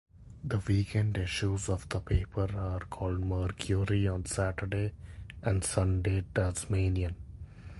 The weekend issues of the paper are called Mercury on Saturday and Sunday Tasmanian.